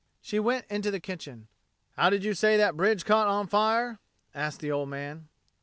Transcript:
She went into the kitchen. "How did you say that bridge caught on fire?" asked the old man.